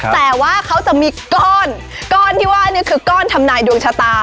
แต่ว่าเขาจะมีก้อนก้อนที่ว่านี่คือก้อนทำนายดวงชะตา